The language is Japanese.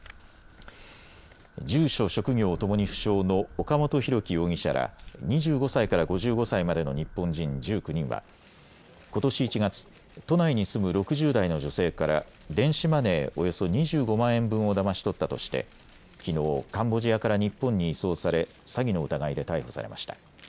住所・職業ともに不詳の岡本大樹容疑者ら２５歳から５５歳までの日本人１９人はことし１月、都内に住む６０代の女性から電子マネーおよそ２５万円分をだまし取ったとしてきのうカンボジアから日本に移送され詐欺の疑いで逮捕されました。